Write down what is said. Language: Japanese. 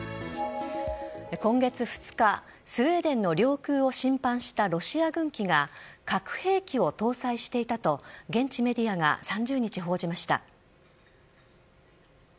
今月２日スウェーデンの領空を侵犯したロシア軍機が核兵器を搭載していたと現地メディアが３０日、報じました。